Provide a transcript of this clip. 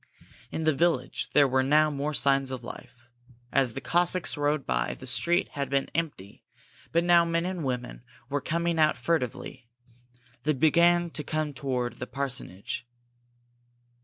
In the village, there were now more signs of life. As the Cossacks rode by, the street had been empty, but now men and women were coming out furtively. They began to come toward the parsonage.